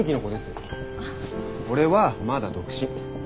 俺はまだ独身。